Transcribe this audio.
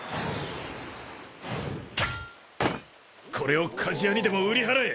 これを鍛冶屋にでも売り払え。